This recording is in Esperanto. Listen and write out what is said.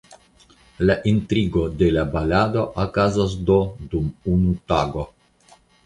La intrigo de la balado okazas do dum unu tago.